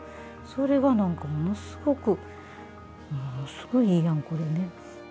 それがなんかものすごくものすごくいいやんこれね。